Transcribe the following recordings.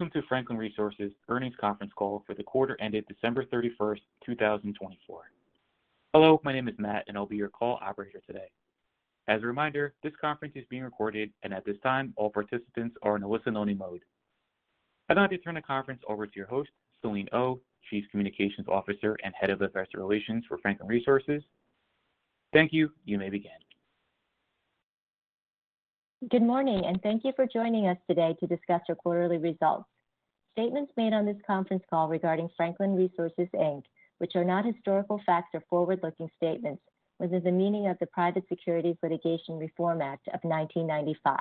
Welcome to Franklin Resources' earnings conference call for the quarter ended December 31st, 2024. Hello, my name is Matt, and I'll be your call operator today. As a reminder, this conference is being recorded, and at this time, all participants are in a listen-only mode. I'd like to turn the conference over to your host, Selene Oh, Chief Communications Officer and Head of Affairs and Relations for Franklin Resources. Thank you. You may begin. Good morning, and thank you for joining us today to discuss our quarterly results. Statements made on this conference call regarding Franklin Resources, Inc. that are not historical facts are forward-looking statements within the meaning of the Private Securities Litigation Reform Act of 1995.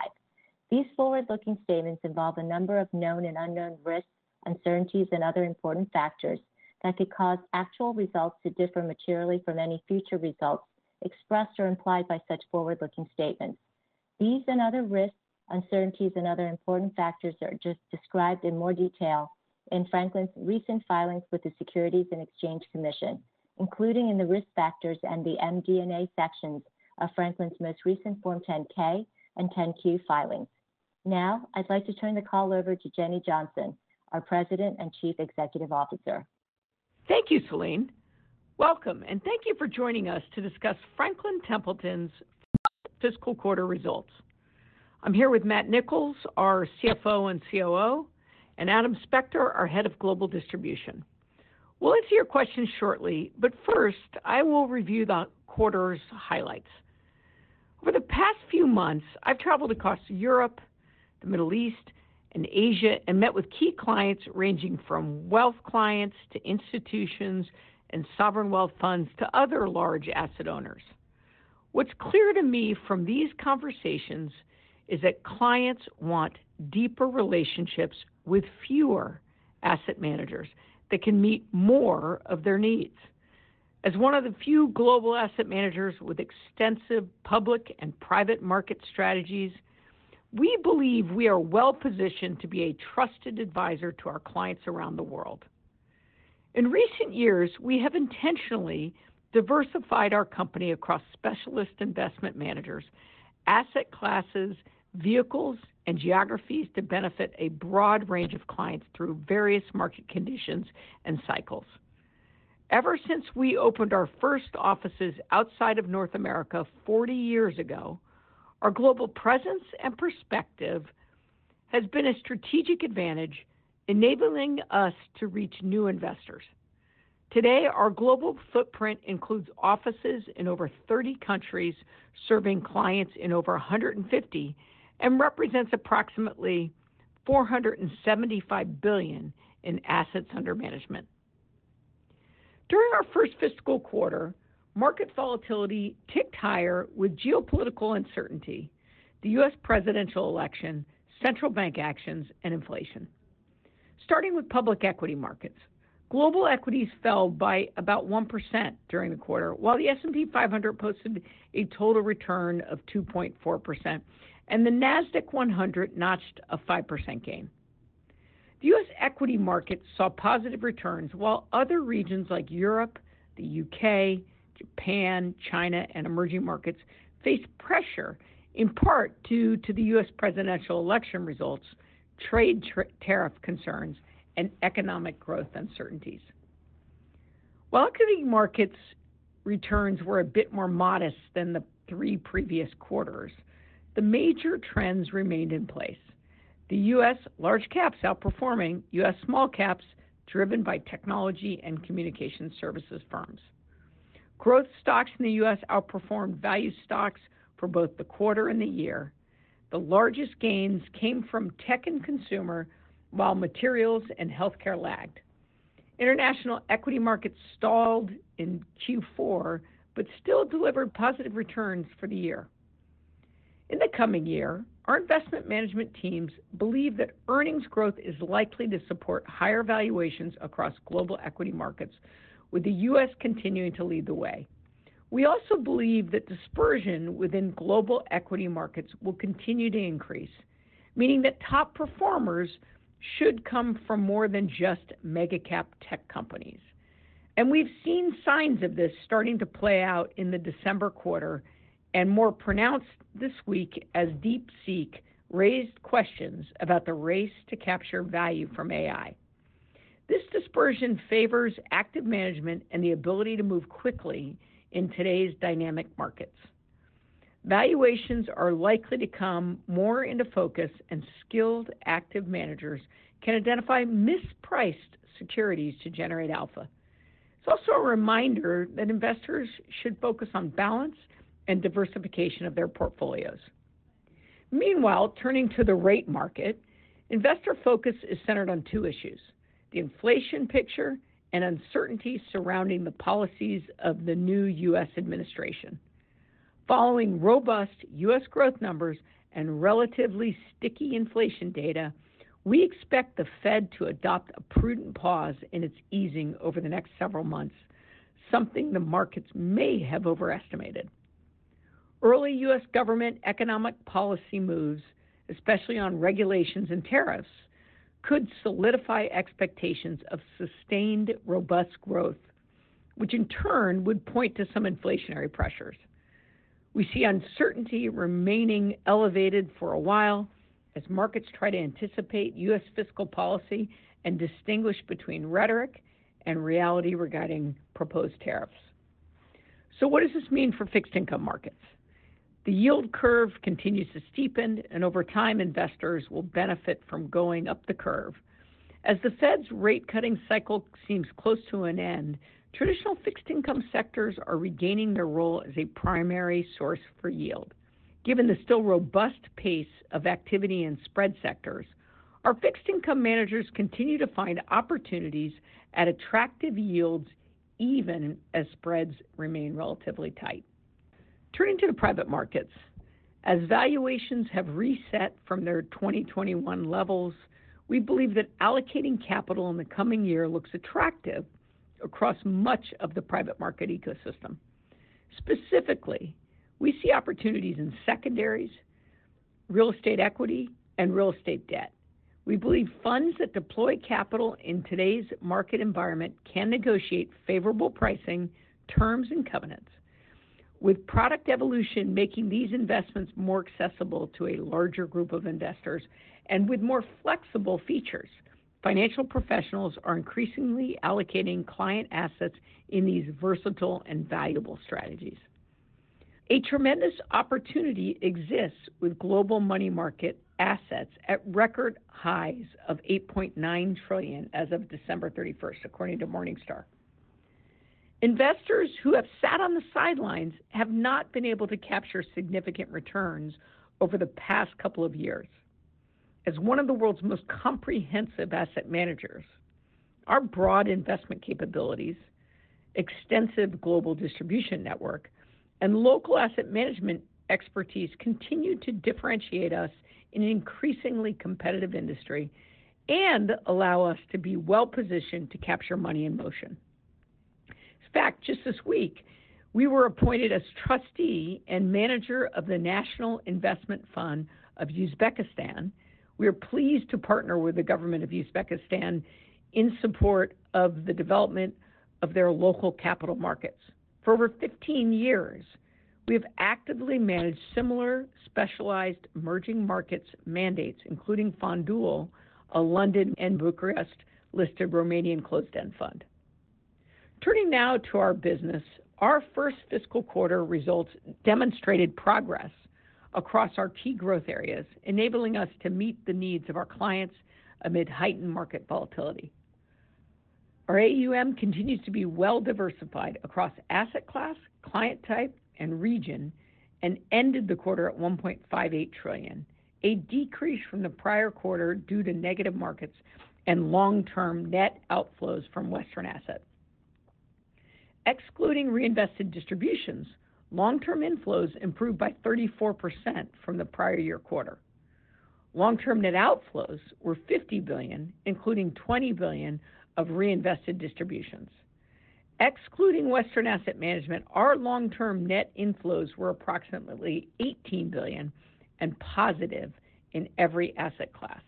These forward-looking statements involve a number of known and unknown risks, uncertainties, and other important factors that could cause actual results to differ materially from any future results expressed or implied by such forward-looking statements. These and other risks, uncertainties, and other important factors are described in more detail in Franklin's recent filings with the Securities and Exchange Commission, including in the risk factors and the MD&A sections of Franklin's most recent Form 10-K and 10-Q filings. Now, I'd like to turn the call over to Jenny Johnson, our President and Chief Executive Officer. Thank you, Selene. Welcome, and thank you for joining us to discuss Franklin Templeton's fiscal quarter results. I'm here with Matt Nicholls, our CFO and COO, and Adam Spector, our Head of Global Distribution. We'll answer your questions shortly, but first, I will review the quarter's highlights. Over the past few months, I've traveled across Europe, the Middle East, and Asia, and met with key clients ranging from wealth clients to institutions and sovereign wealth funds to other large asset owners. What's clear to me from these conversations is that clients want deeper relationships with fewer asset managers that can meet more of their needs. As one of the few global asset managers with extensive public and private market strategies, we believe we are well-positioned to be a trusted advisor to our clients around the world. In recent years, we have intentionally diversified our company across specialist investment managers, asset classes, vehicles, and geographies to benefit a broad range of clients through various market conditions and cycles. Ever since we opened our first offices outside of North America 40 years ago, our global presence and perspective has been a strategic advantage, enabling us to reach new investors. Today, our global footprint includes offices in over 30 countries, serving clients in over 150, and represents approximately $475 billion in assets under management. During our first fiscal quarter, market volatility ticked higher with geopolitical uncertainty, the U.S. presidential election, central bank actions, and inflation. Starting with public equity markets, global equities fell by about 1% during the quarter, while the S&P 500 posted a total return of 2.4%, and the NASDAQ 100 notched a 5% gain. The U.S. Equity markets saw positive returns, while other regions like Europe, the U.K., Japan, China, and emerging markets faced pressure, in part due to the U.S. presidential election results, trade tariff concerns, and economic growth uncertainties. While equity markets' returns were a bit more modest than the three previous quarters, the major trends remained in place. The U.S. large caps outperforming U.S. small caps driven by technology and communication services firms. Growth stocks in the U.S. outperformed value stocks for both the quarter and the year. The largest gains came from tech and consumer, while materials and healthcare lagged. International equity markets stalled in Q4 but still delivered positive returns for the year. In the coming year, our investment management teams believe that earnings growth is likely to support higher valuations across global equity markets, with the U.S. continuing to lead the way. We also believe that dispersion within global equity markets will continue to increase, meaning that top performers should come from more than just mega-cap tech companies, and we've seen signs of this starting to play out in the December quarter and more pronounced this week as DeepSeek raised questions about the race to capture value from AI. This dispersion favors active management and the ability to move quickly in today's dynamic markets. Valuations are likely to come more into focus, and skilled active managers can identify mispriced securities to generate alpha. It's also a reminder that investors should focus on balance and diversification of their portfolios. Meanwhile, turning to the rate market, investor focus is centered on two issues: the inflation picture and uncertainty surrounding the policies of the new U.S. administration. Following robust U.S. Growth numbers and relatively sticky inflation data, we expect the Fed to adopt a prudent pause in its easing over the next several months, something the markets may have overestimated. Early U.S. government economic policy moves, especially on regulations and tariffs, could solidify expectations of sustained robust growth, which in turn would point to some inflationary pressures. We see uncertainty remaining elevated for a while as markets try to anticipate U.S. fiscal policy and distinguish between rhetoric and reality regarding proposed tariffs. So what does this mean for fixed income markets? The yield curve continues to steepen, and over time, investors will benefit from going up the curve. As the Fed's rate-cutting cycle seems close to an end, traditional fixed income sectors are regaining their role as a primary source for yield. Given the still robust pace of activity in spread sectors, our fixed income managers continue to find opportunities at attractive yields even as spreads remain relatively tight. Turning to the private markets, as valuations have reset from their 2021 levels, we believe that allocating capital in the coming year looks attractive across much of the private market ecosystem. Specifically, we see opportunities in secondaries, real estate equity, and real estate debt. We believe funds that deploy capital in today's market environment can negotiate favorable pricing, terms, and covenants, with product evolution making these investments more accessible to a larger group of investors and with more flexible features. Financial professionals are increasingly allocating client assets in these versatile and valuable strategies. A tremendous opportunity exists with global money market assets at record highs of $8.9 trillion as of December 31st, according to Morningstar. Investors who have sat on the sidelines have not been able to capture significant returns over the past couple of years. As one of the world's most comprehensive asset managers, our broad investment capabilities, extensive global distribution network, and local asset management expertise continue to differentiate us in an increasingly competitive industry and allow us to be well-positioned to capture money in motion. In fact, just this week, we were appointed as Trustee and Manager of the National Investment Fund of Uzbekistan. We are pleased to partner with the government of Uzbekistan in support of the development of their local capital markets. For over 15 years, we have actively managed similar specialized emerging markets mandates, including Fondul Proprietatea, a London and Bucharest-listed Romanian closed-end fund. Turning now to our business, our first fiscal quarter results demonstrated progress across our key growth areas, enabling us to meet the needs of our clients amid heightened market volatility. Our AUM continues to be well-diversified across asset class, client type, and region, and ended the quarter at $1.58 trillion, a decrease from the prior quarter due to negative markets and long-term net outflows from Western Asset. Excluding reinvested distributions, long-term inflows improved by 34% from the prior year quarter. Long-term net outflows were $50 billion, including $20 billion of reinvested distributions. Excluding Western Asset Management, our long-term net inflows were approximately $18 billion and positive in every asset class.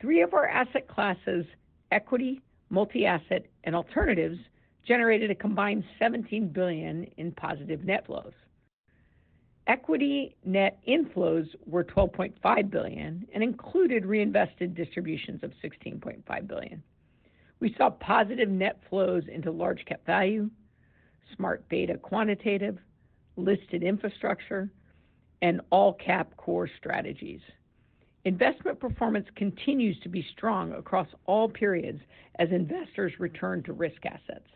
Three of our asset classes, equity, multi-asset, and alternatives, generated a combined $17 billion in positive net flows. Equity net inflows were $12.5 billion and included reinvested distributions of $16.5 billion. We saw positive net flows into large-cap value, smart beta quantitative, listed infrastructure, and all-cap core strategies. Investment performance continues to be strong across all periods as investors return to risk assets.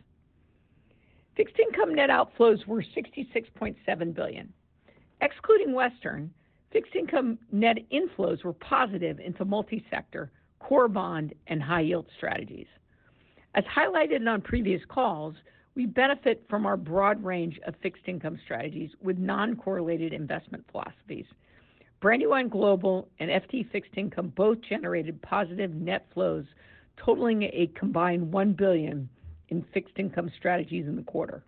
Fixed income net outflows were $66.7 billion. Excluding Western Asset, fixed income net inflows were positive into multi-sector, core bond, and high-yield strategies. As highlighted on previous calls, we benefit from our broad range of fixed income strategies with non-correlated investment philosophies. Brandywine Global and FT Fixed Income both generated positive net flows, totaling a combined $1 billion in fixed income strategies in the quarter.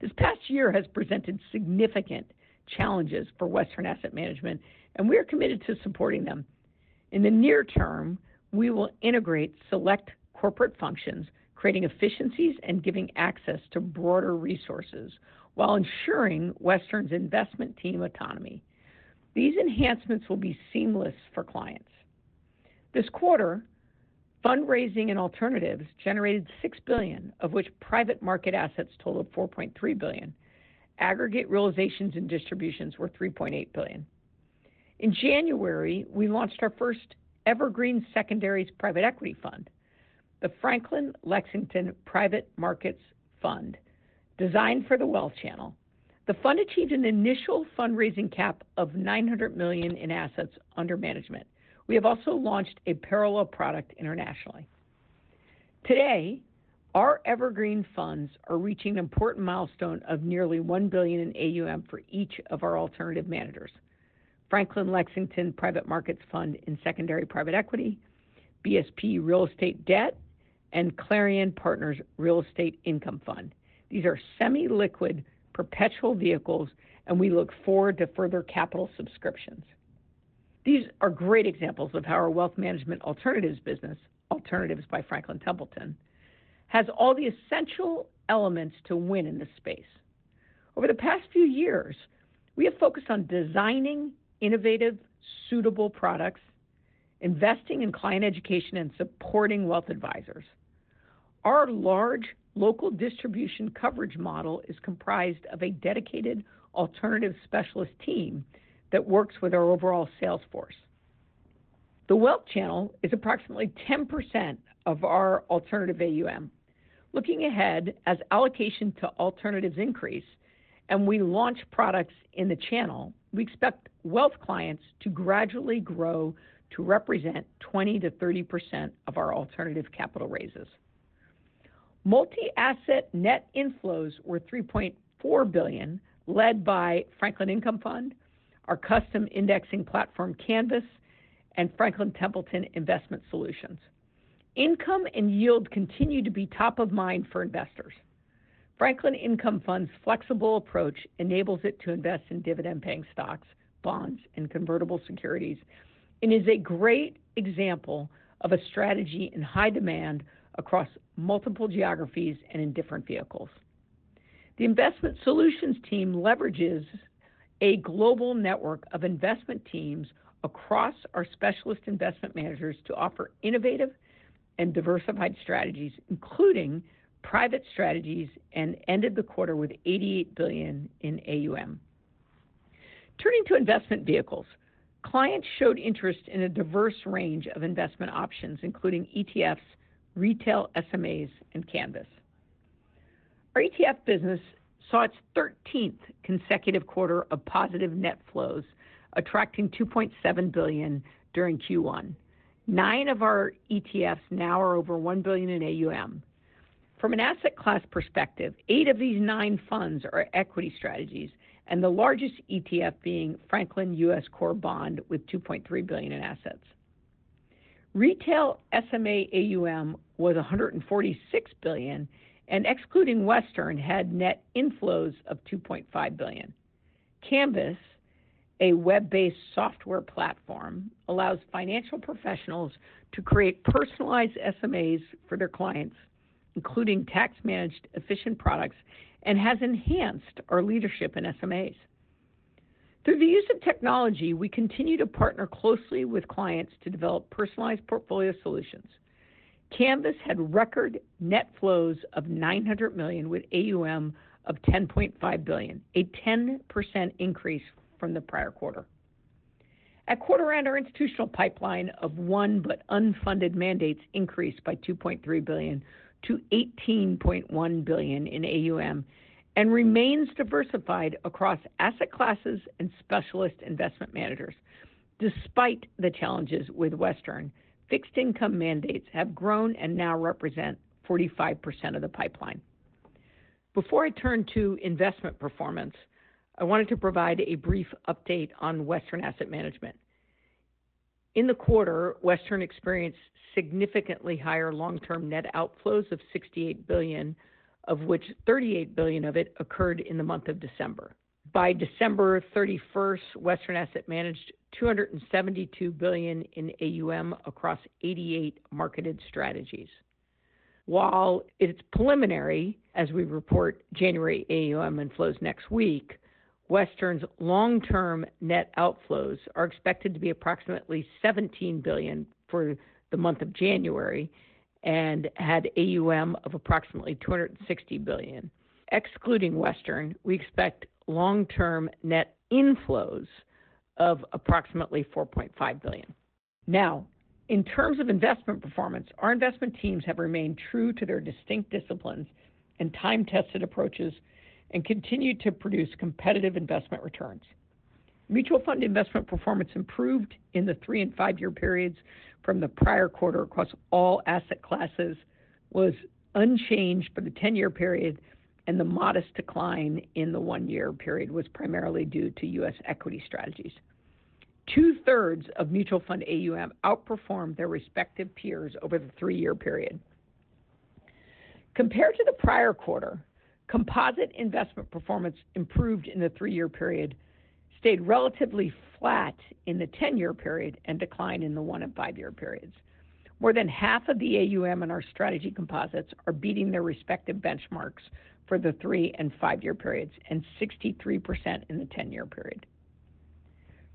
This past year has presented significant challenges for Western Asset Management, and we are committed to supporting them. In the near term, we will integrate select corporate functions, creating efficiencies and giving access to broader resources while ensuring Western Asset's investment team autonomy. These enhancements will be seamless for clients. This quarter, fundraising and alternatives generated $6 billion, of which private market assets totaled $4.3 billion. Aggregate realizations and distributions were $3.8 billion. In January, we launched our first evergreen secondaries private equity fund, the Franklin Lexington Private Markets Fund, designed for the wealth channel. The fund achieved an initial fundraising cap of $900 million in assets under management. We have also launched a parallel product internationally. Today, our evergreen funds are reaching an important milestone of nearly $1 billion in AUM for each of our alternative managers: Franklin Lexington Private Markets Fund in secondary private equity, BSP Real Estate Debt, and Clarion Partners Real Estate Income Fund. These are semi-liquid perpetual vehicles, and we look forward to further capital subscriptions. These are great examples of how our wealth management alternatives business, Alternatives by Franklin Templeton, has all the essential elements to win in this space. Over the past few years, we have focused on designing innovative, suitable products, investing in client education, and supporting wealth advisors. Our large local distribution coverage model is comprised of a dedicated alternative specialist team that works with our overall sales force. The wealth channel is approximately 10% of our alternative AUM. Looking ahead as allocation to alternatives increases and we launch products in the channel, we expect wealth clients to gradually grow to represent 20%-30% of our alternative capital raises. Multi-asset net inflows were $3.4 billion, led by Franklin Income Fund, our custom indexing platform, Canvas, and Franklin Templeton Investment Solutions. Income and yield continue to be top of mind for investors. Franklin Income Fund's flexible approach enables it to invest in dividend-paying stocks, bonds, and convertible securities and is a great example of a strategy in high demand across multiple geographies and in different vehicles. The investment solutions team leverages a global network of investment teams across our specialist investment managers to offer innovative and diversified strategies, including private strategies, and ended the quarter with $88 billion in AUM. Turning to investment vehicles, clients showed interest in a diverse range of investment options, including ETFs, retail SMAs, and Canvas. Our ETF business saw its 13th consecutive quarter of positive net flows, attracting $2.7 billion during Q1. Nine of our ETFs now are over $1 billion in AUM. From an asset class perspective, eight of these nine funds are equity strategies, and the largest ETF being Franklin U.S. Core Bond with $2.3 billion in assets. Retail SMA AUM was $146 billion, and excluding Western, had net inflows of $2.5 billion. Canvas, a web-based software platform, allows financial professionals to create personalized SMAs for their clients, including tax-managed efficient products, and has enhanced our leadership in SMAs. Through the use of technology, we continue to partner closely with clients to develop personalized portfolio solutions. Canvas had record net flows of $900 million with AUM of $10.5 billion, a 10% increase from the prior quarter. At quarter-end, our institutional pipeline of committed but unfunded mandates increased by $2.3 billion to $18.1 billion in AUM and remains diversified across asset classes and specialist investment managers. Despite the challenges with Western Asset, fixed income mandates have grown and now represent 45% of the pipeline. Before I turn to investment performance, I wanted to provide a brief update on Western Asset Management. In the quarter, Western Asset experienced significantly higher long-term net outflows of $68 billion, of which $38 billion of it occurred in the month of December. By December 31st, Western Asset managed $272 billion in AUM across 88 marketed strategies. While it's preliminary, as we report January AUM inflows next week, Western's long-term net outflows are expected to be approximately $17 billion for the month of January and had AUM of approximately $260 billion. Excluding Western, we expect long-term net inflows of approximately $4.5 billion. Now, in terms of investment performance, our investment teams have remained true to their distinct disciplines and time-tested approaches and continue to produce competitive investment returns. Mutual fund investment performance improved in the three- and five-year periods from the prior quarter across all asset classes was unchanged, but the 10-year period and the modest decline in the one-year period was primarily due to U.S. equity strategies. Two-thirds of mutual fund AUM outperformed their respective peers over the three-year period. Compared to the prior quarter, composite investment performance improved in the three-year period, stayed relatively flat in the 10-year period, and declined in the one and five-year periods. More than half of the AUM in our strategy composites are beating their respective benchmarks for the three and five-year periods and 63% in the 10-year period.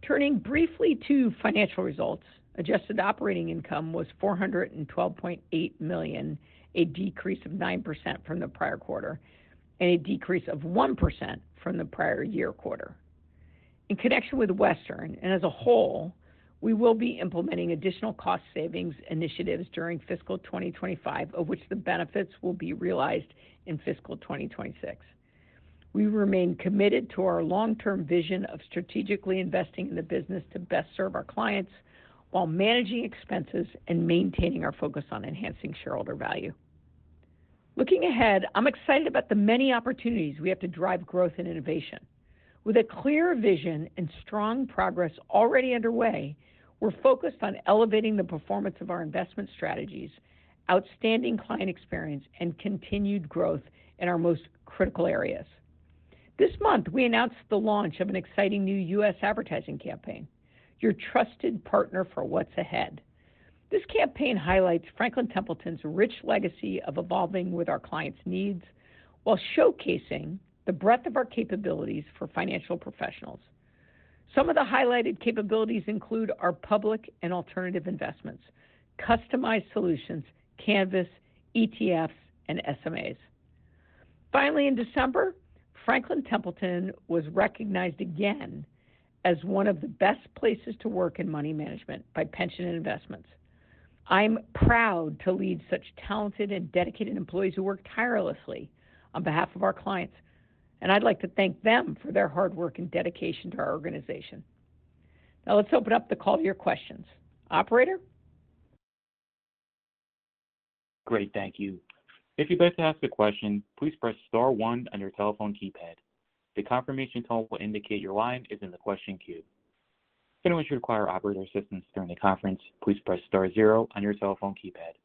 Turning briefly to financial results, adjusted operating income was $412.8 million, a decrease of 9% from the prior quarter and a decrease of 1% from the prior year quarter. In connection with Western and as a whole, we will be implementing additional cost savings initiatives during fiscal 2025, of which the benefits will be realized in fiscal 2026. We remain committed to our long-term vision of strategically investing in the business to best serve our clients while managing expenses and maintaining our focus on enhancing shareholder value. Looking ahead, I'm excited about the many opportunopportunitiesities we have to drive growth and innovation. With a clear vision and strong progress already underway, we're focused on elevating the performance of our investment strategies, outstanding client experience, and continued growth in our most critical areas. This month, we announced the launch of an exciting new U.S. advertising campaign, "Your Trusted Partner for What's Ahead." This campaign highlights Franklin Templeton's rich legacy of evolving with our clients' needs while showcasing the breadth of our capabilities for financial professionals. Some of the highlighted capabilities include our public and alternative investments, customized solutions, Canvas, ETFs, and SMAs. Finally, in December, Franklin Templeton was recognized again as one of the best places to work in money management by Pensions & Investments. I'm proud to lead such talented and dedicated employees who work tirelessly on behalf of our clients, and I'd like to thank them for their hard work and dedication to our organization. Now, let's open up the call to your questions. Operator? Great, thank you. If you'd like to ask a question, please press Star one on your telephone keypad. The confirmation tone will indicate your line is in the question queue. If anyone should require operator assistance during the conference, please press Star zero on your telephone keypad.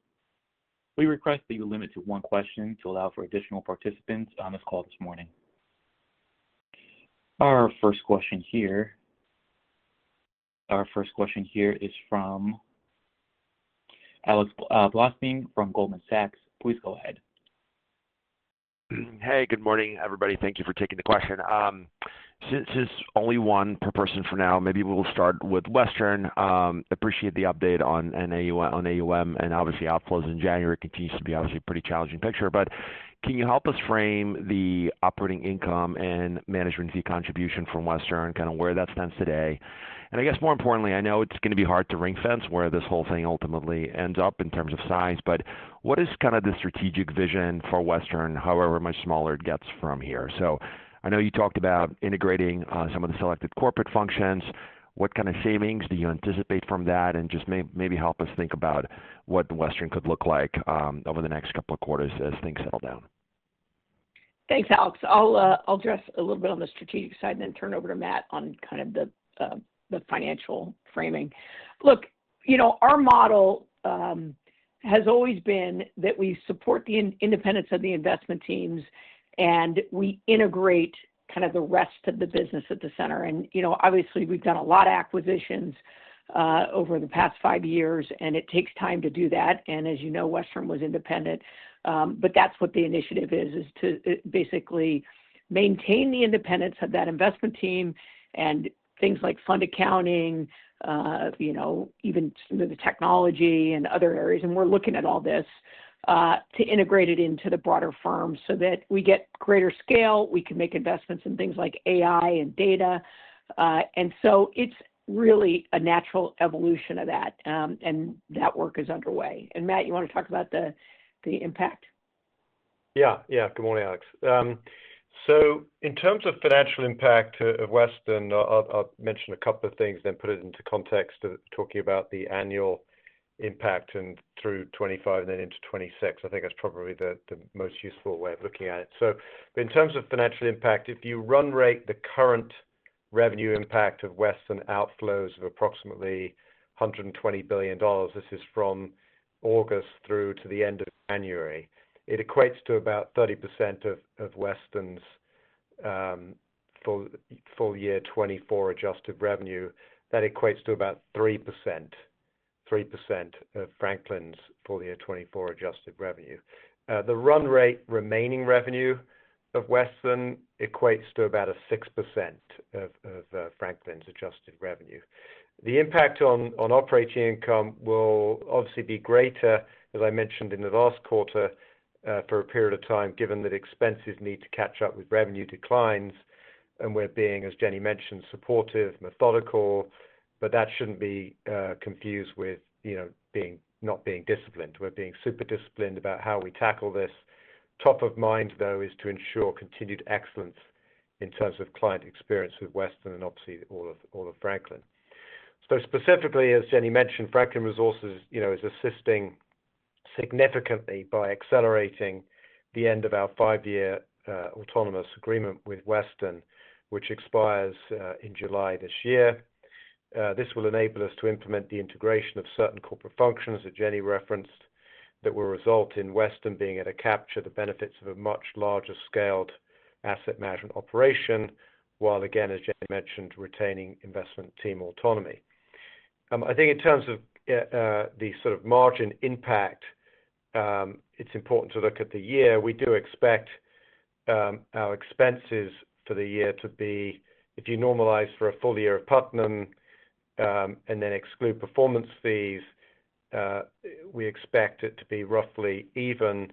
We request that you limit to one question to allow for additional participants on this call this morning. Our first question here is from Alex Blostein from Goldman Sachs. Please go ahead. Hey, good morning, everybody. Thank you for taking the question. Since it's only one per person for now, maybe we'll start with Western. Appreciate the update on AUM and obviously outflows in January. It continues to be obviously a pretty challenging picture, but can you help us frame the operating income and management fee contribution from Western, kind of where that stands today? And I guess more importantly, I know it's going to be hard to ring-fence where this whole thing ultimately ends up in terms of size, but what is kind of the strategic vision for Western, however much smaller it gets from here? So I know you talked about integrating some of the selected corporate functions. What kind of savings do you anticipate from that? And just maybe help us think about what Western could look like over the next couple of quarters as things settle down. Thanks, Alex. I'll address a little bit on the strategic side and then turn over to Matt on kind of the financial framing. Look, our model has always been that we support the independence of the investment teams and we integrate kind of the rest of the business at the center. And obviously, we've done a lot of acquisitions over the past five years, and it takes time to do that. And as you know, Western was independent, but that's what the initiative is, is to basically maintain the independence of that investment team and things like fund accounting, even some of the technology and other areas. And we're looking at all this to integrate it into the broader firm so that we get greater scale, we can make investments in things like AI and data. And so it's really a natural evolution of that, and that work is underway. And Matt, you want to talk about the impact? Yeah, yeah. Good morning, Alex. So in terms of financial impact of Western, I'll mention a couple of things, then put it into context of talking about the annual impact through 2025 and then into 2026. I think that's probably the most useful way of looking at it. So in terms of financial impact, if you run rate the current revenue impact of Western outflows of approximately $120 billion, this is from August through to the end of January, it equates to about 30% of Western's full year 2024 adjusted revenue. That equates to about 3%, 3% of Franklin's full year 2024 adjusted revenue. The run rate remaining revenue of Western equates to about 6% of Franklin's adjusted revenue. The impact on operating income will obviously be greater, as I mentioned in the last quarter, for a period of time, given that expenses need to catch up with revenue declines. We're being, as Jenny mentioned, supportive, methodical, but that shouldn't be confused with not being disciplined. We're being super disciplined about how we tackle this. Top of mind, though, is to ensure continued excellence in terms of client experience with Western and obviously all of Franklin. So specifically, as Jenny mentioned, Franklin Resources is assisting significantly by accelerating the end of our five-year autonomous agreement with Western, which expires in July this year. This will enable us to implement the integration of certain corporate functions that Jenny referenced that will result in Western being able to capture the benefits of a much larger scaled asset management operation, while, again, as Jenny mentioned, retaining investment team autonomy. I think in terms of the sort of margin impact, it's important to look at the year. We do expect our expenses for the year to be, if you normalize for a full year of Putnam and then exclude performance fees, we expect it to be roughly even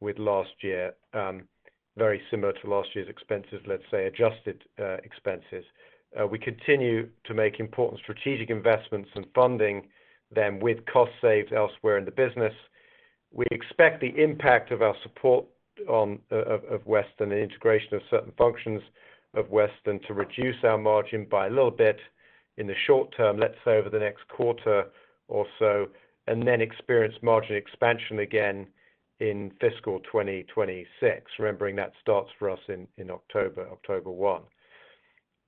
with last year, very similar to last year's expenses, let's say adjusted expenses. We continue to make important strategic investments and funding them with cost saved elsewhere in the business. We expect the impact of our support of Western and integration of certain functions of Western to reduce our margin by a little bit in the short term, let's say over the next quarter or so, and then experience margin expansion again in fiscal 2026, remembering that starts for us in October, October 1.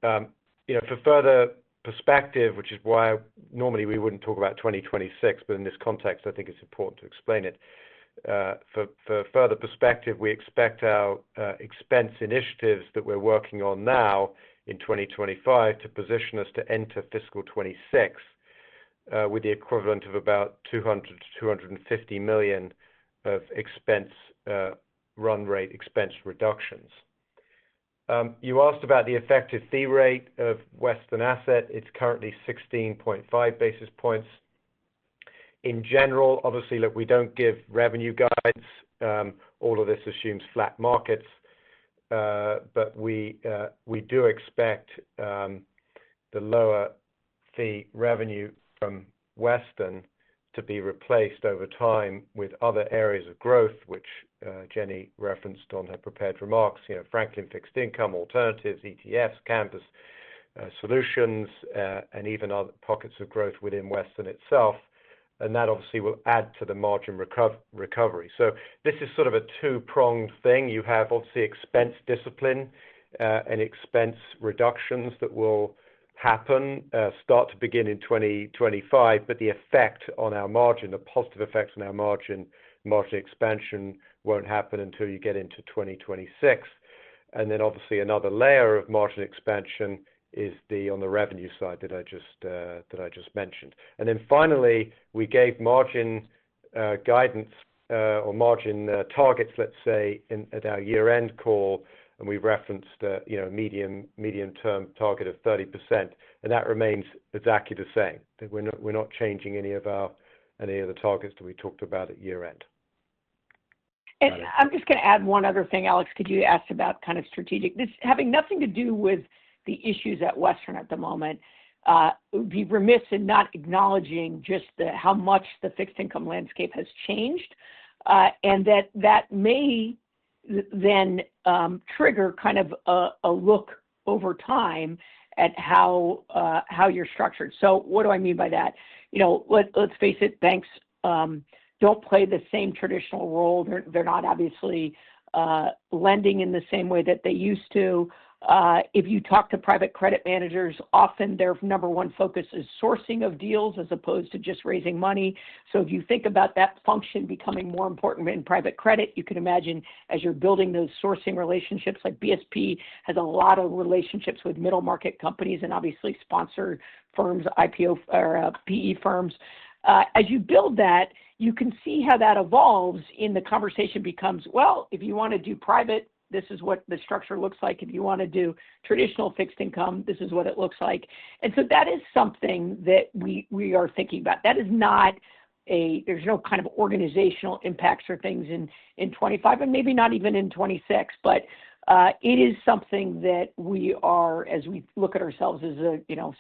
For further perspective, which is why normally we wouldn't talk about 2026, but in this context, I think it's important to explain it. For further perspective, we expect our expense initiatives that we're working on now in 2025 to position us to enter fiscal 2026 with the equivalent of about $200 million-$250 million of expense run rate expense reductions. You asked about the effective fee rate of Western Asset. It's currently 16.5 basis points. In general, obviously, look, we don't give revenue guides. All of this assumes flat markets, but we do expect the lower fee revenue from Western to be replaced over time with other areas of growth, which Jenny referenced on her prepared remarks. Franklin Fixed Income, alternatives, ETFs, Canvas solutions, and even other pockets of growth within Western itself. That obviously will add to the margin recovery. This is sort of a two-pronged thing. You have obviously expense discipline and expense reductions that will happen, start to begin in 2025, but the effect on our margin, the positive effect on our margin, margin expansion won't happen until you get into 2026, and then obviously another layer of margin expansion is on the revenue side that I just mentioned, and then finally, we gave margin guidance or margin targets, let's say, at our year-end call, and we've referenced a medium-term target of 30%, and that remains exactly the same. We're not changing any of the targets that we talked about at year-end. And I'm just going to add one other thing, Alex. Could you ask about kind of strategic? This having nothing to do with the issues at Western at the moment, it would be remiss in not acknowledging just how much the fixed income landscape has changed, and that may then trigger kind of a look over time at how you're structured. So what do I mean by that? Let's face it, banks don't play the same traditional role. They're not obviously lending in the same way that they used to. If you talk to private credit managers, often their number one focus is sourcing of deals as opposed to just raising money. So if you think about that function becoming more important in private credit, you can imagine as you're building those sourcing relationships, like BSP has a lot of relationships with middle market companies and obviously sponsor firms, PE firms. As you build that, you can see how that evolves in the conversation becomes, well, if you want to do private, this is what the structure looks like. If you want to do traditional fixed income, this is what it looks like. And so that is something that we are thinking about. That is not. There's no kind of organizational impacts or things in 2025 and maybe not even in 2026, but it is something that we are, as we look at ourselves as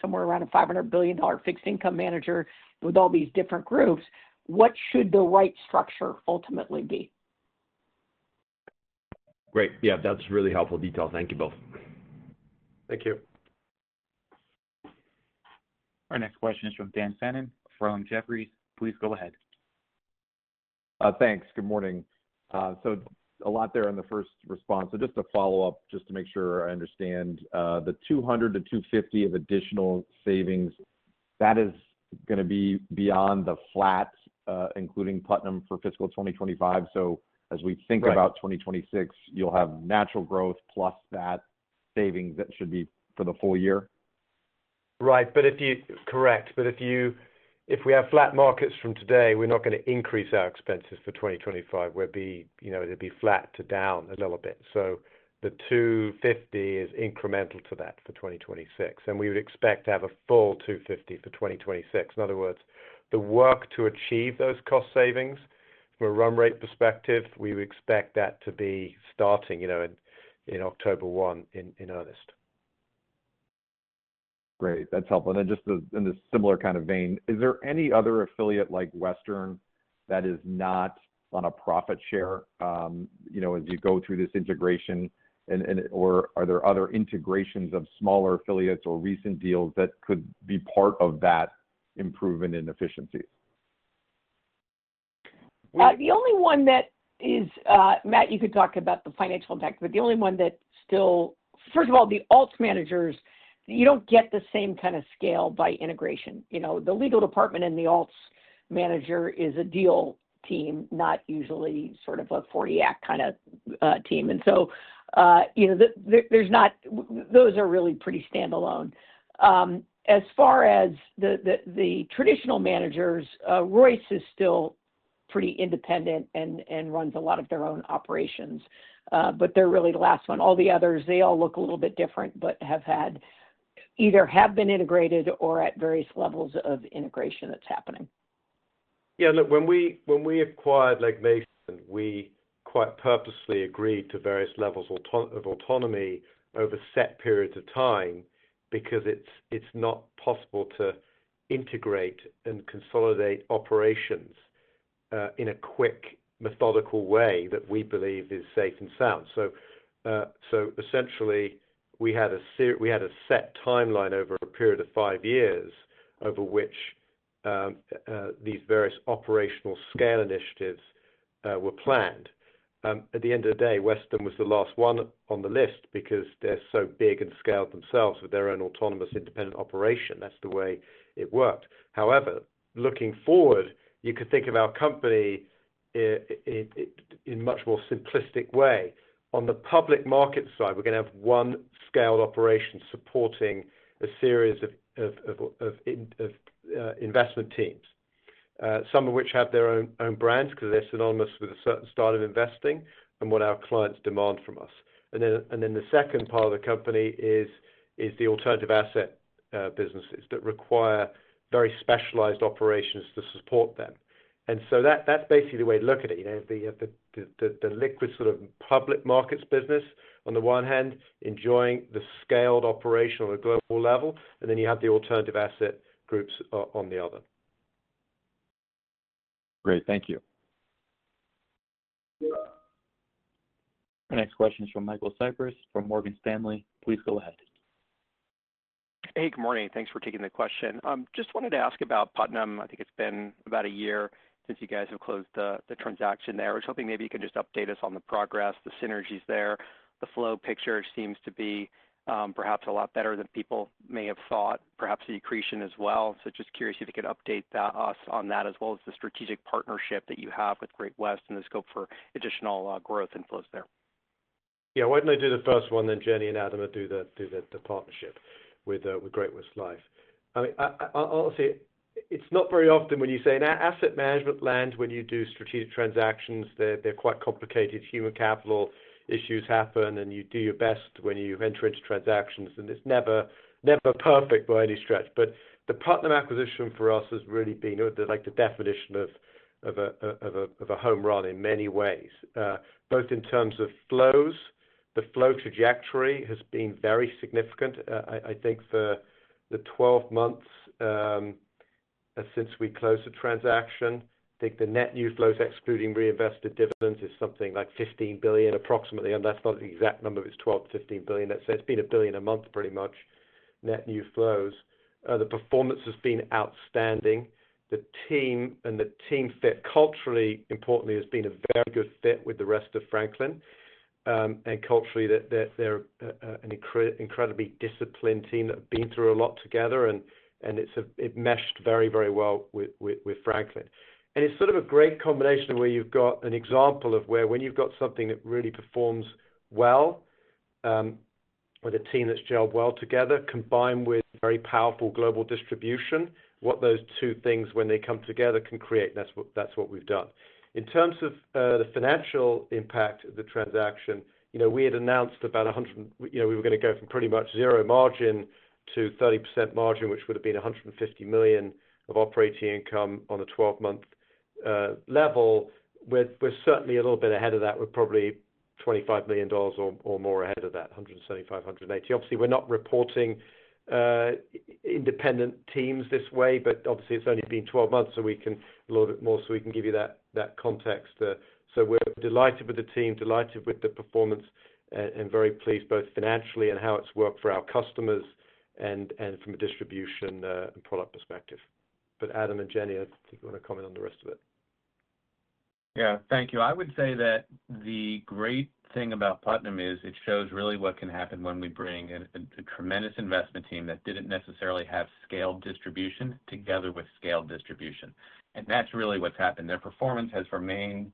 somewhere around a $500 billion fixed income manager with all these different groups, what should the right structure ultimately be? Great. Yeah, that's really helpful detail. Thank you both. Thank you. Our next question is from Dan Fannon of Jefferies. Please go ahead. Thanks. Good morning. So a lot there in the first response. So just to follow up, just to make sure I understand, the $200-$250 million of additional savings, that is going to be beyond the flat, including Putnam for fiscal 2025. So as we think about 2026, you'll have natural growth plus that savings that should be for the full year. Right. But if we have flat markets from today, we're not going to increase our expenses for 2025. It'd be flat to down a little bit. So the $250 million is incremental to that for 2026. And we would expect to have a full $250 million for 2026. In other words, the work to achieve those cost savings from a run rate perspective, we would expect that to be starting in October 1 in earnest. Great. That's helpful. And then just in a similar kind of vein, is there any other affiliate like Western that is not on a profit share as you go through this integration, or are there other integrations of smaller affiliates or recent deals that could be part of that improvement in efficiencies? The only one that is, Matt. You could talk about the financial impact, but the only one that still, first of all, the alts managers. You don't get the same kind of scale by integration. The legal department and the alts manager is a deal team, not usually sort of a 40-Act kind of team. And so there's not. Those are really pretty standalone. As far as the traditional managers, Royce is still pretty independent and runs a lot of their own operations, but they're really the last one. All the others, they all look a little bit different but have either been integrated or at various levels of integration that's happening. Yeah. Look, when we acquired Legg Mason, we quite purposely agreed to various levels of autonomy over set periods of time because it's not possible to integrate and consolidate operations in a quick, methodical way that we believe is safe and sound. So essentially, we had a set timeline over a period of five years over which these various operational scale initiatives were planned. At the end of the day, Western was the last one on the list because they're so big and scaled themselves with their own autonomous independent operation. That's the way it worked. However, looking forward, you could think of our company in a much more simplistic way. On the public market side, we're going to have one scaled operation supporting a series of investment teams, some of which have their own brands because they're synonymous with a certain style of investing and what our clients demand from us. And then the second part of the company is the alternative asset businesses that require very specialized operations to support them. And so that's basically the way to look at it. You have the liquid sort of public markets business on the one hand, enjoying the scaled operation on a global level, and then you have the alternative asset groups on the other. Great. Thank you. Our next question is from Michael Cyprys from Morgan Stanley.Please go ahead. Hey, good morning. Thanks for taking the question. Just wanted to ask about Putnam. I think it's been about a year since you guys have closed the transaction there. I was hoping maybe you could just update us on the progress, the synergies there. The flow picture seems to be perhaps a lot better than people may have thought, perhaps a decrease in as well. So just curious if you could update us on that as well as the strategic partnership that you have with Great-West and the scope for additional growth and flows there. Yeah. Why don't I do the first one, then Jenny and Adam would do the partnership with Great-West Life. I mean, obviously, it's not very often when you say in the asset management landscape, when you do strategic transactions, they're quite complicated. Human capital issues happen, and you do your best when you enter into transactions, and it's never perfect by any stretch. The Putnam acquisition for us has really been the definition of a home run in many ways, both in terms of flows. The flow trajectory has been very significant, I think, for the 12 months since we closed the transaction. I think the net new flows, excluding reinvested dividends, is something like $15 billion approximately. And that's not the exact number. It's $12-$15 billion. Let's say it's been $1 billion a month, pretty much, net new flows. The performance has been outstanding. The team and the team fit, culturally, importantly, has been a very good fit with the rest of Franklin. And culturally, they're an incredibly disciplined team that have been through a lot together, and it meshed very, very well with Franklin. It's sort of a great combination where you've got an example of where when you've got something that really performs well with a team that's gelled well together, combined with very powerful global distribution, what those two things, when they come together, can create. That's what we've done. In terms of the financial impact of the transaction, we had announced about we were going to go from pretty much zero margin to 30% margin, which would have been $150 million of operating income on a 12-month level. We're certainly a little bit ahead of that. We're probably $25 million or more ahead of that, $175-$180 million. Obviously, we're not reporting independent teams this way, but obviously, it's only been 12 months, so we can a little bit more so we can give you that context. We're delighted with the team, delighted with the performance, and very pleased both financially and how it's worked for our customers and from a distribution and product perspective. Adam and Jenny, I think you want to comment on the rest of it. Yeah. Thank you. I would say that the great thing about Putnam is it shows really what can happen when we bring a tremendous investment team that didn't necessarily have scaled distribution together with scaled distribution. That's really what's happened. Their performance has remained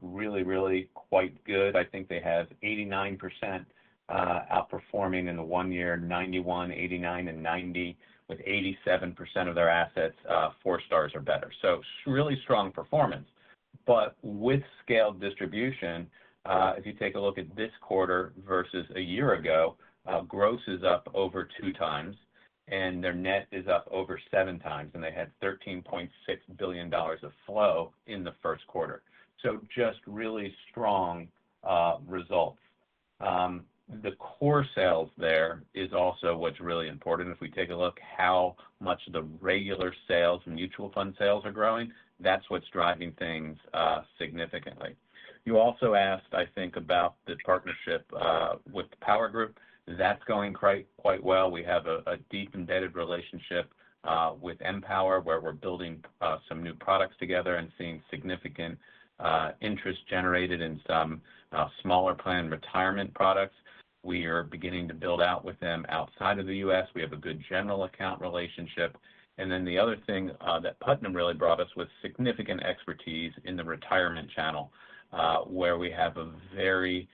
really, really quite good. I think they have 89% outperforming in the one year, 91%, 89%, and 90%, with 87% of their assets, four stars or better. Really strong performance. But with scaled distribution, if you take a look at this quarter versus a year ago, gross is up over two times, and their net is up over seven times, and they had $13.6 billion of flow in the Q1. So just really strong results. The core sales there is also what's really important. If we take a look at how much the regular sales, mutual fund sales are growing, that's what's driving things significantly. You also asked, I think, about the partnership with Power Group. That's going quite well. We have a deep embedded relationship with Empower, where we're building some new products together and seeing significant interest generated in some smaller planned retirement products. We are beginning to build out with them outside of the U.S. We have a good general account relationship. And then the other thing that Putnam really brought us was significant expertise in the retirement channel, where we have a very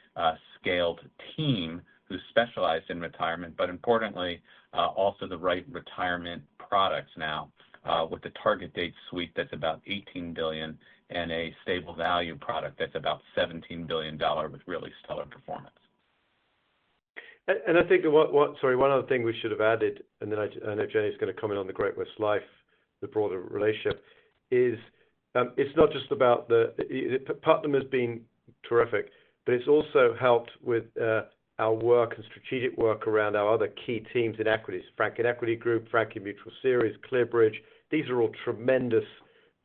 scaled team who specialized in retirement, but importantly, also the right retirement products now with the target date suite that's about $18 billion and a stable value product that's about $17 billion with really stellar performance. And I think, sorry, one other thing we should have added, and then I know Jenny is going to comment on the Great-West Lifeco, the broader relationship, is it's not just about the Putnam has been terrific, but it's also helped with our work and strategic work around our other key teams in equities: Franklin Equity Group, Franklin Mutual Series, ClearBridge. These are all tremendous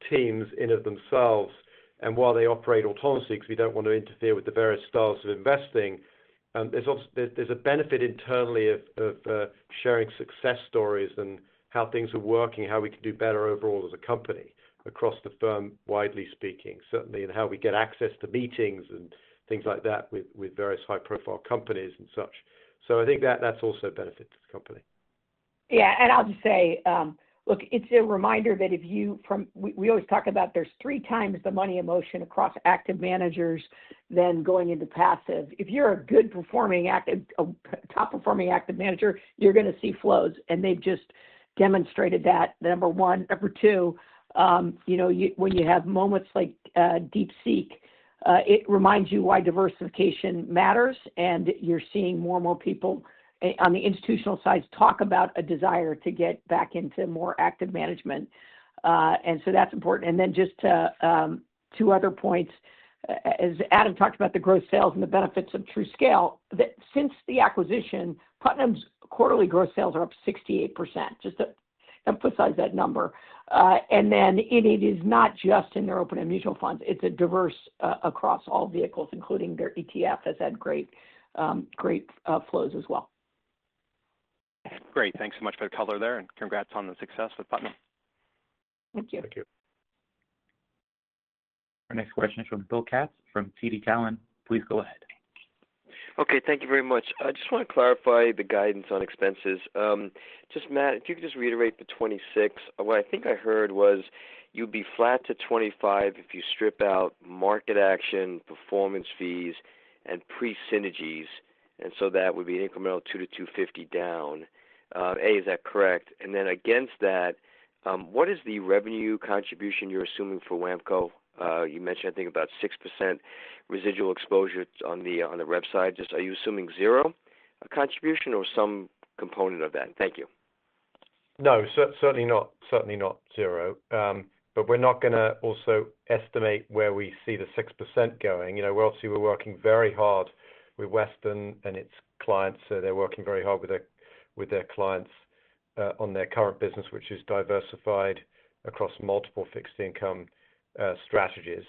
teams in and of themselves. While they operate autonomously, because we don't want to interfere with the various styles of investing, there's a benefit internally of sharing success stories and how things are working, how we can do better overall as a company across the firm, widely speaking, certainly, and how we get access to meetings and things like that with various high-profile companies and such. I think that's also a benefit to the company. Yeah. I'll just say, look, it's a reminder that we always talk about there's three times the money in motion across active managers than going into passive. If you're a good-performing, top-performing active manager, you're going to see flows, and they've just demonstrated that, number one. Number two, when you have moments like DeepSeek, it reminds you why diversification matters, and you're seeing more and more people on the institutional side talk about a desire to get back into more active management. And so that's important. And then just two other points. As Adam talked about the gross sales and the benefits of true scale, since the acquisition, Putnam's quarterly gross sales are up 68%. Just to emphasize that number. And then it is not just in their open and mutual funds. It's diverse across all vehicles, including their ETF has had great flows as well. Great. Thanks so much, for the color, there. And congrats on the success with Putnam. Thank you. Thank you. Our next question is from Bill Katz from TD Cowen. Please go ahead. Okay. Thank you very much. I just want to clarify the guidance on expenses. Just, Matt, if you could just reiterate the 26. What I think I heard was you'd be flat to 25 if you strip out market action, performance fees, and pre-synergies, and so that would be an incremental 2 to 250 down. A, is that correct? And then against that, what is the revenue contribution you're assuming for WAMCO? You mentioned, I think, about 6% residual exposure on the website. Are you assuming zero contribution or some component of that? Thank you. No, certainly not zero. But we're not going to also estimate where we see the 6% going. We're obviously working very hard with Western and its clients. They're working very hard with their clients on their current business, which is diversified across multiple fixed income strategies.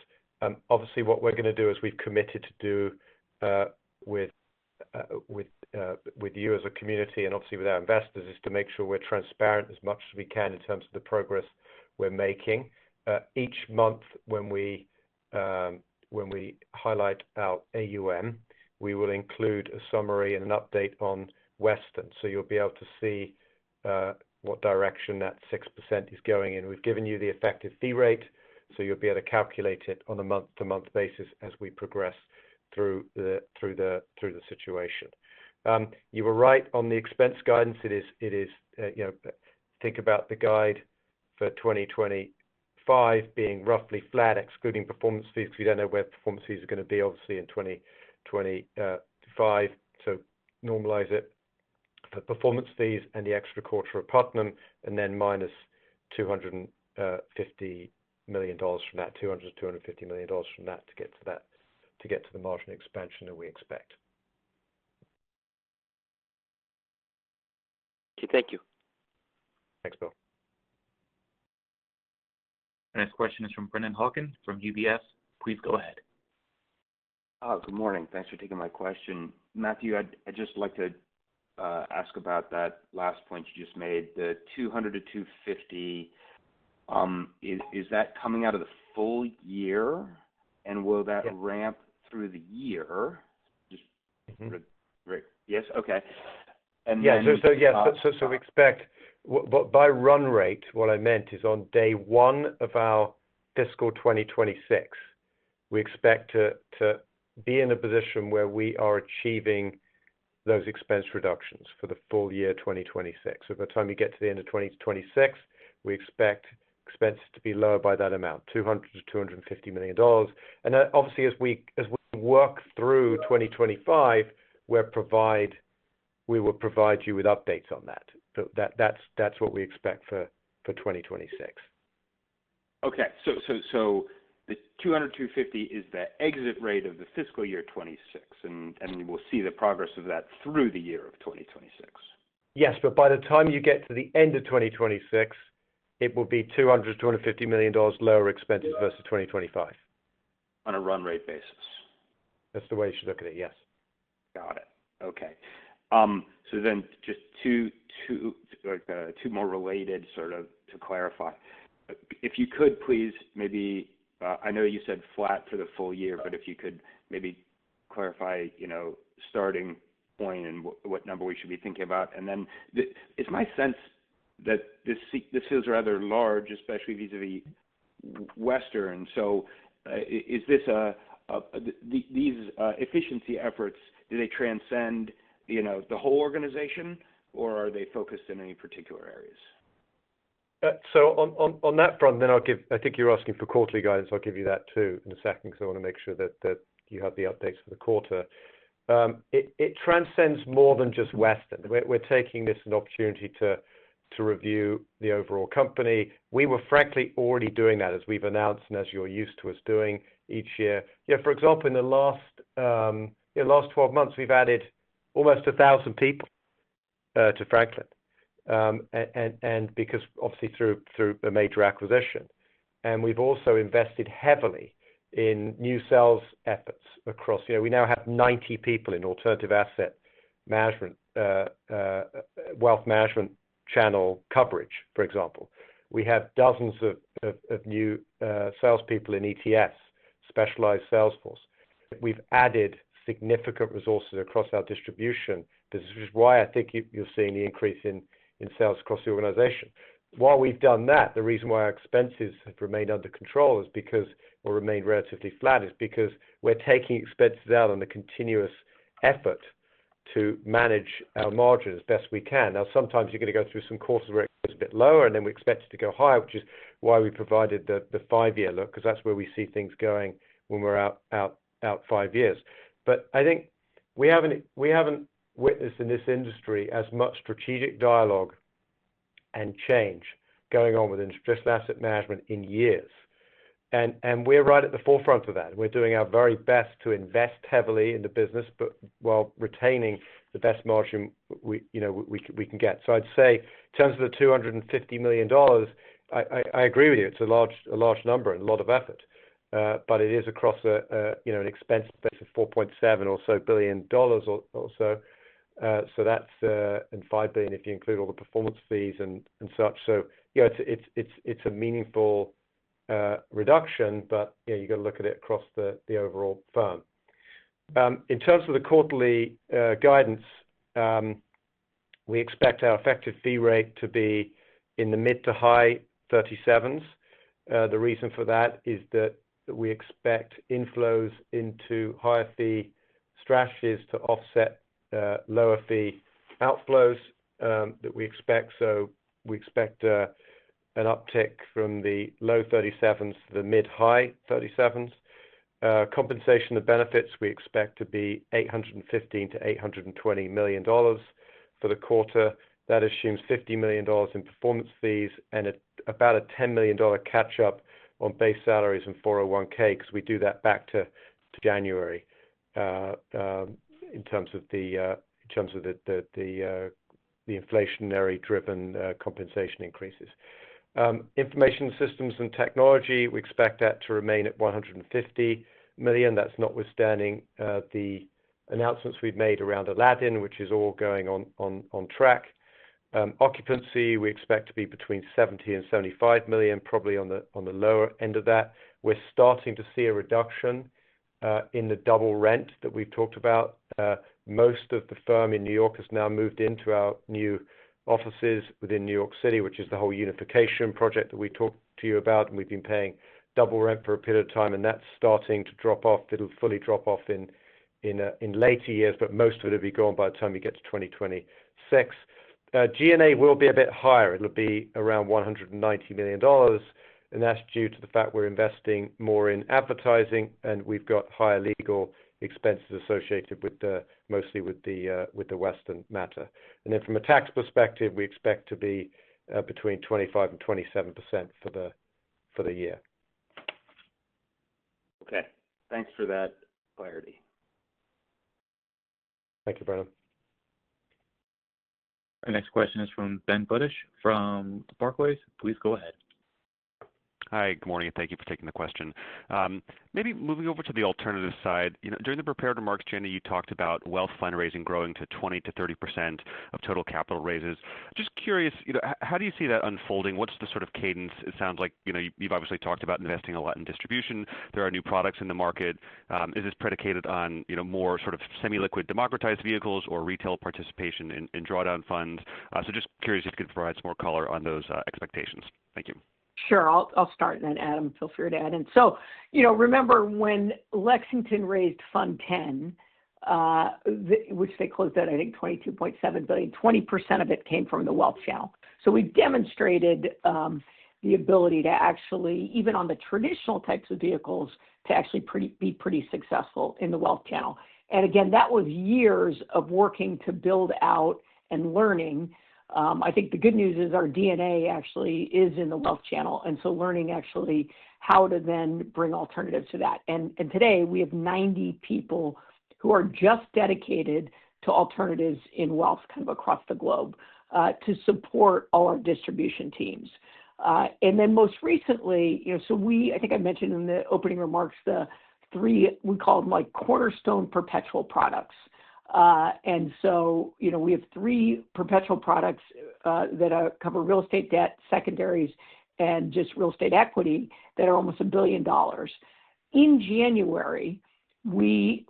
Obviously, what we're going to do, as we've committed to do with you as a community and obviously with our investors, is to make sure we're transparent as much as we can in terms of the progress we're making. Each month, when we highlight our AUM, we will include a summary and an update on Western. So you'll be able to see what direction that 6% is going in. We've given you the effective fee rate, so you'll be able to calculate it on a month-to-month basis as we progress through the situation. You were right on the expense guidance. It is, think about the guide for 2025 being roughly flat, excluding performance fees, because we don't know where performance fees are going to be, obviously, in 2025. So normalize it for performance fees and the extra quarter of Putnam, and then minus $250 million from that, $200-$250 million from that to get to the margin expansion that we expect. Thank you. Thank you. Thanks, Bill. Next question is from Brennan Hawken from UBS. Please go ahead. Good morning. Thanks for taking my question. Matthew, I'd just like to ask about that last point you just made. The 200 to 250, is that coming out of the full year, and will that ramp through the year? Just great. Yes? Okay. And then. Yeah. So yes. So we expect by run rate, what I meant is on day one of our fiscal 2026, we expect to be in a position where we are achieving those expense reductions for the full year 2026. So by the time you get to the end of 2026, we expect expenses to be lower by that amount, $200-$250 million. And obviously, as we work through 2025, we will provide you with updates on that. That's what we expect for 2026. Okay. So the 200 to 250 is the exit rate of the fiscal year 2026, and we'll see the progress of that through the year of 2026. Yes. But by the time you get to the end of 2026, it will be $200-$250 million lower expenses versus 2025. On a run rate basis. That's the way you should look at it. Yes. Got it. Okay. So then just two more related sort of to clarify. If you could, please. Maybe I know you said flat for the full year, but if you could maybe clarify starting point and what number we should be thinking about? And then it's my sense that this feels rather large, especially vis-à-vis Western, so is this these efficiency efforts, do they transcend the whole organization, or are they focused in any particular areas? So on that front, then I'll give I think you're asking for quarterly guidance. I'll give you that too in a second, because I want to make sure that you have the updates for the quarter. It transcends more than just Western. We're taking this as an opportunity to review the overall company. We were frankly already doing that, as we've announced and as you're used to us doing each year. For example, in the last 12 months, we've added almost 1,000 people to Franklin, and because obviously through a major acquisition, and we've also invested heavily in new sales efforts across, we now have 90 people in alternative asset management, wealth management channel coverage, for example. We have dozens of new salespeople in ETS, specialized sales force. We've added significant resources across our distribution, which is why I think you're seeing the increase in sales across the organization. While we've done that, the reason why our expenses have remained under control or remained relatively flat is because we're taking expenses out on a continuous effort to manage our margin as best we can. Now, sometimes you're going to go through some quarters where it's a bit lower, and then we expect it to go higher, which is why we provided the five-year look, because that's where we see things going when we're out five years. But I think we haven't witnessed in this industry as much strategic dialogue and change going on within just asset management in years. And we're right at the forefront of that. We're doing our very best to invest heavily in the business while retaining the best margin we can get. So I'd say in terms of the $250 million, I agree with you. It's a large number and a lot of effort, but it is across an expense space of $4.7 billion or so. So that's in $5 billion if you include all the performance fees and such. It's a meaningful reduction, but you've got to look at it across the overall firm. In terms of the quarterly guidance, we expect our effective fee rate to be in the mid- to high 37s. The reason for that is that we expect inflows into higher fee strategies to offset lower fee outflows that we expect. We expect an uptick from the low 37s to the mid-high 37s. Compensation and benefits, we expect to be $815-$820 million for the quarter. That assumes $50 million in performance fees and about a $10 million catch-up on base salaries and 401(k)s, because we do that back to January in terms of the inflationary-driven compensation increases. Information systems and technology, we expect that to remain at $150 million. That's notwithstanding the announcements we've made around Aladdin, which is all going on track. Occupancy, we expect to be between $70-$75 million, probably on the lower end of that. We're starting to see a reduction in the double rent that we've talked about. Most of the firm in New York has now moved into our new offices within New York City, which is the whole unification project that we talked to you about. And we've been paying double rent for a period of time, and that's starting to drop off. It'll fully drop off in later years, but most of it will be gone by the time you get to 2026. G&A will be a bit higher. It'll be around $190 million, and that's due to the fact we're investing more in advertising, and we've got higher legal expenses associated mostly with the Western matter. And then from a tax perspective, we expect to be between 25% and 27% for the year. Okay. Thanks for that clarity. Thank you, Brennan. Our next question is from Ben Budish from Barclays. Please go ahead. Hi. Good morning. Thank you for taking the question. Maybe moving over to the alternative side. During the prepared remarks, Jenny, you talked about wealth fundraising growing to 20%-30% of total capital raises. Just curious, how do you see that unfolding? What's the sort of cadence? It sounds like you've obviously talked about investing a lot in distribution. There are new products in the market. Is this predicated on more sort of semi-liquid democratized vehicles or retail participation in drawdown funds? So just curious if you could provide some more color on those expectations. Thank you. Sure. I'll start, and then Adam, feel free to add in. Remember when Lexington raised Fund 10, which they closed at, I think, $22.7 billion. 20% of it came from the wealth channel. We demonstrated the ability to actually, even on the traditional types of vehicles, to actually be pretty successful in the wealth channel. Again, that was years of working to build out and learning. I think the good news is our DNA actually is in the wealth channel, and so learning actually how to then bring alternatives to that. Today, we have 90 people who are just dedicated to alternatives in wealth kind of across the globe to support all our distribution teams. Then most recently, I think I mentioned in the opening remarks the three we call them cornerstone perpetual products. And so we have three perpetual products that cover real estate debt, secondaries, and just real estate equity that are almost $1 billion. In January, we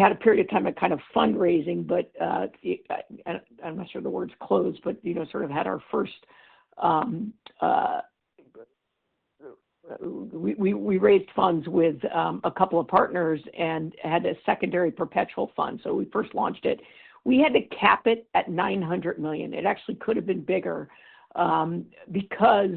had a period of time of kind of fundraising, but I'm not sure the fund's closed, but sort of had our first we raised funds with a couple of partners and had a secondary perpetual fund. So we first launched it. We had to cap it at $900 million. It actually could have been bigger because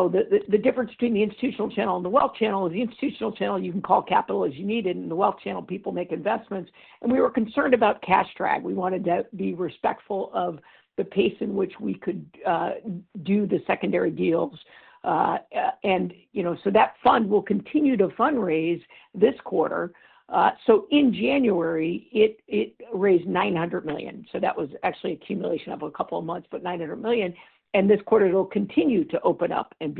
the difference between the institutional channel and the wealth channel is the institutional channel, you can call capital as you need it, and the wealth channel, people make investments. And we were concerned about cash drag. We wanted to be respectful of the pace in which we could do the secondary deals. And so that fund will continue to fundraise this quarter. In January, it raised $900 million. That was actually accumulation of a couple of months, but $900 million. This quarter, it will continue to open up and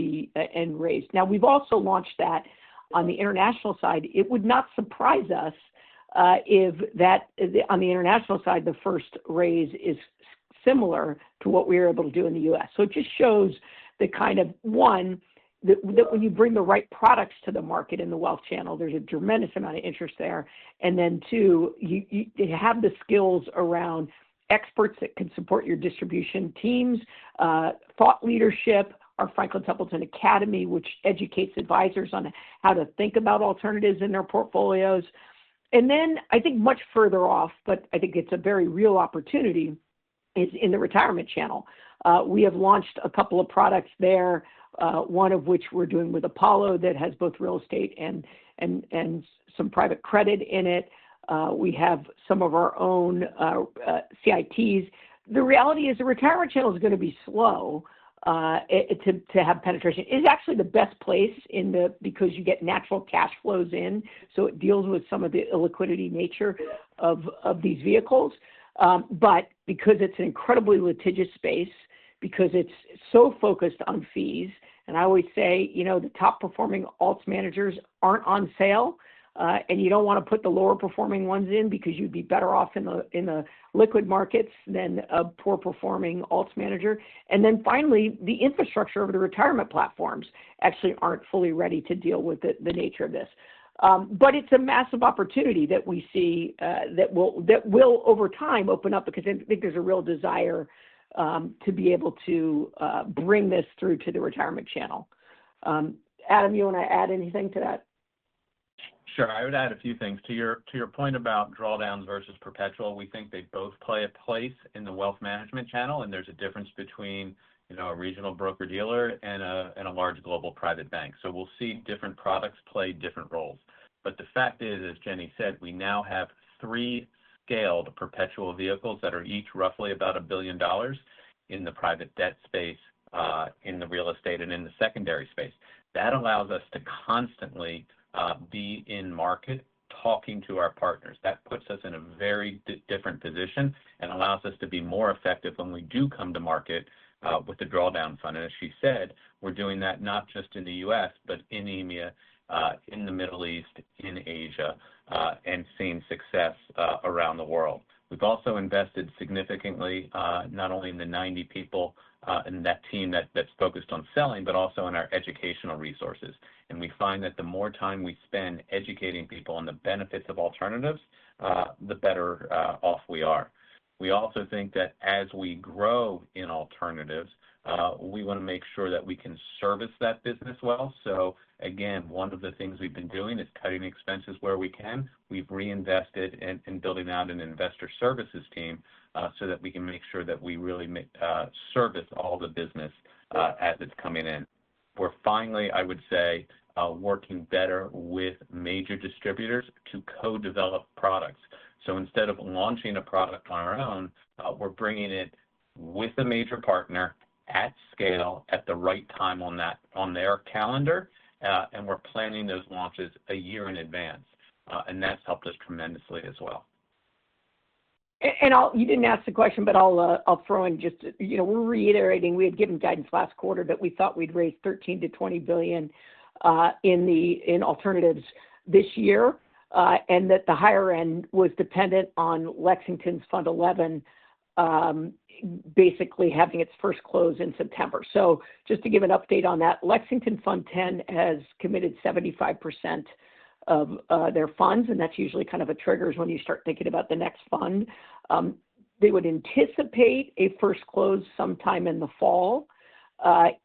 raise. Now, we have also launched that on the international side. It would not surprise us if on the international side, the first raise is similar to what we are able to do in the U.S. It just shows that, one, that when you bring the right products to the market in the wealth channel, there is a tremendous amount of interest there. Then, two, you have the skills around experts that can support your distribution teams, thought leadership, our Franklin Templeton Academy, which educates advisors on how to think about alternatives in their portfolios. Then I think much further off, but I think it is a very real opportunity, is in the retirement channel. We have launched a couple of products there, one of which we're doing with Apollo that has both real estate and some private credit in it. We have some of our own CITs. The reality is the retirement channel is going to be slow to have penetration. It's actually the best place because you get natural cash flows in. So it deals with some of the illiquid nature of these vehicles. But because it's an incredibly litigious space, because it's so focused on fees, and I always say the top-performing alts managers aren't on sale, and you don't want to put the lower-performing ones in because you'd be better off in the liquid markets than a poor-performing alts manager, and then finally, the infrastructure of the retirement platforms actually aren't fully ready to deal with the nature of this. But it's a massive opportunity that we see that will, over time, open up because I think there's a real desire to be able to bring this through to the retirement channel. Adam, you want to add anything to that? Sure. I would add a few things. To your point about drawdowns versus perpetual, we think they both play a place in the wealth management channel, and there's a difference between a regional broker-dealer and a large global private bank. So we'll see different products play different roles. But the fact is, as Jenny said, we now have three scaled perpetual vehicles that are each roughly about $1 billion in the private debt space, in the real estate, and in the secondary space. That allows us to constantly be in market talking to our partners. That puts us in a very different position and allows us to be more effective when we do come to market with the drawdown fund, and as she said, we're doing that not just in the U.S., but in India, in the Middle East, in Asia, and seeing success around the world. We've also invested significantly not only in the 90 people in that team that's focused on selling, but also in our educational resources, and we find that the more time we spend educating people on the benefits of alternatives, the better off we are. We also think that as we grow in alternatives, we want to make sure that we can service that business well, so again, one of the things we've been doing is cutting expenses where we can. We've reinvested in building out an investor services team so that we can make sure that we really service all the business as it's coming in. We're finally, I would say, working better with major distributors to co-develop products. So instead of launching a product on our own, we're bringing it with a major partner at scale at the right time on their calendar, and we're planning those launches a year in advance. And that's helped us tremendously as well. And you didn't ask the question, but I'll throw in just we're reiterating. We had given guidance last quarter, that we thought we'd raise $13-$20 billion in alternatives this year and that the higher end was dependent on Lexington's Fund 11 basically having its first close in September. So just to give an update on that, Lexington Fund 10 has committed 75% of their funds, and that's usually kind of a trigger is when you start thinking about the next fund. They would anticipate a first close sometime in the fall.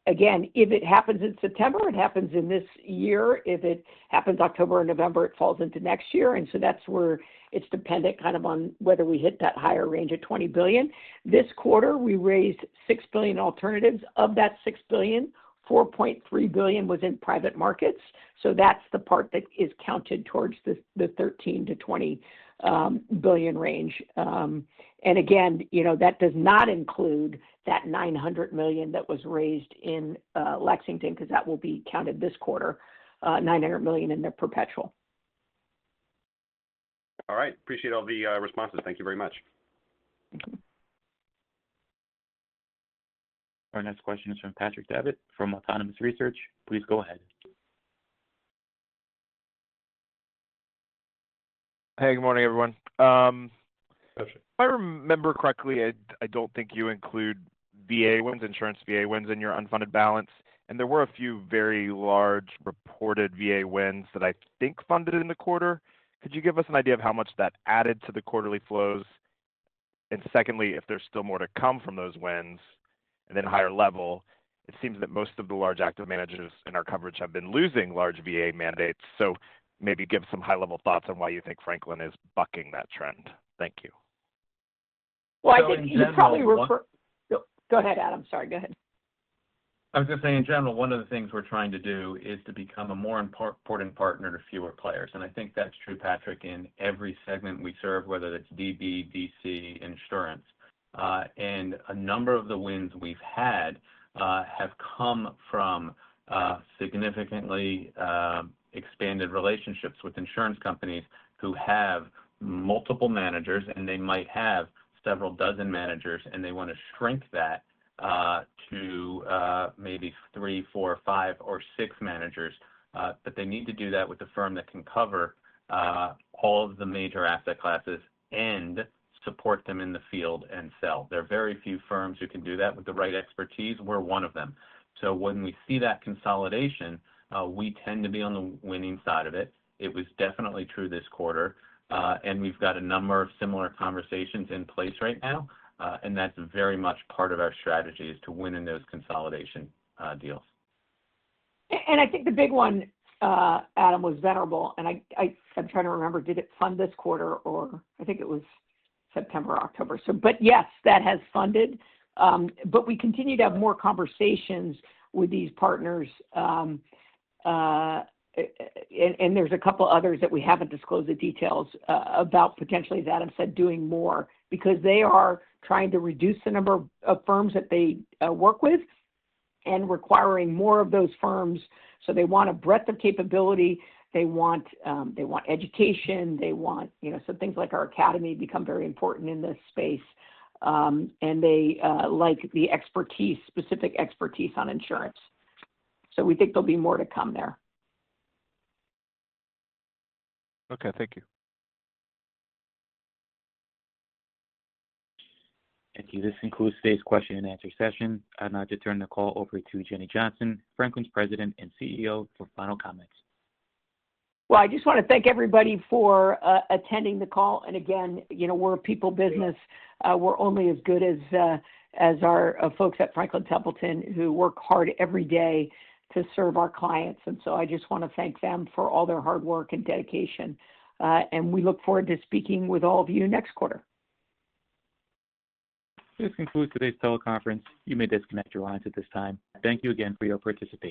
Again, if it happens in September, it happens in this year. If it happens October or November, it falls into next year. And so that's where it's dependent kind of on whether we hit that higher range of $20 billion. This quarter, we raised $6 billion in alternatives. Of that $6 billion, $4.3 billion was in private markets. So that's the part that is counted towards the $13-$20 billion range. And again, that does not include that $900 million that was raised in Lexington because that will be counted this quarter, $900 million in their perpetual. All right. Appreciate all the responses. Thank you very much. Our next question is from Patrick Davitt from Autonomous Research. Please go ahead. Hey. Good morning, everyone. If I remember correctly, I don't think you include VA WINs, insurance VA WINs in your unfunded balance. And there were a few very large reported VA WINs that I think funded in the quarter. Could you give us an idea of how much that added to the quarterly flows? And secondly, if there's still more to come from those WINs and then higher level, it seems that most of the large active managers in our coverage have been losing large VA mandates. So maybe give some high-level thoughts on why you think Franklin is bucking that trend. Thank you. Well, I think he's probably go ahead, Adam. Sorry. Go ahead. I was going to say, in general, one of the things we're trying to do is to become a more important partner to fewer players, and I think that's true, Patrick, in every segment we serve, whether it's DB, DC, insurance. And a number of the wins we've had have come from significantly expanded relationships with insurance companies who have multiple managers, and they might have several dozen managers, and they want to shrink that to maybe three, four, five, or six managers. But they need to do that with a firm that can cover all of the major asset classes and support them in the field and sell. There are very few firms who can do that with the right expertise. We're one of them. So when we see that consolidation, we tend to be on the winning side of it. It was definitely true this quarter. We've got a number of similar conversations in place right now. That's very much part of our strategy is to win in those consolidation deals. I think the big one, Adam, was Venerable. I'm trying to remember, did it fund this quarter or I think it was September or October. But yes, that has funded. We continue to have more conversations with these partners. There's a couple of others that we haven't disclosed the details about potentially, as Adam said, doing more because they are trying to reduce the number of firms that they work with and requiring more of those firms. They want a breadth of capability. They want education. They want some things like our Academy become very important in this space. They like the specific expertise on insurance. We think there'll be more to come there. Okay. Thank you. Thank you. This concludes today's question-and-answer session. I'd now like to turn the call over to Jenny Johnson, Franklin's president and CEO, for final comments. Well, I just want to thank everybody for attending the call. And again, we're a people business. We're only as good as our folks at Franklin Templeton who work hard every day to serve our clients. And so I just want to thank them for all their hard work and dedication. And we look forward to speaking with all of you next quarter. This concludes today's teleconference. You may disconnect your lines at this time. Thank you again for your participation.